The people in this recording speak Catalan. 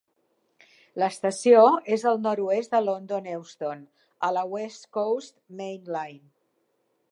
L'estació és al nord-oest de London Euston, a la West Coast Main Line.